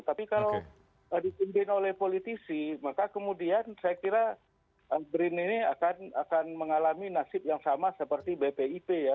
tapi kalau dipimpin oleh politisi maka kemudian saya kira brin ini akan mengalami nasib yang sama seperti bpip ya